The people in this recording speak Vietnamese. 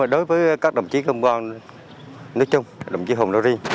đối với các đồng chí công an đồng chí hồ ngo riêng